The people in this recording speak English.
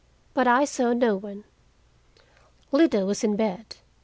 But I saw no one. Lida was in bed.